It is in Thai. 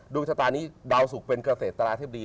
ดวงชะตานี้ดาวสุกเป็นเกษตราธิบดี